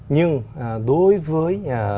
nhưng đối với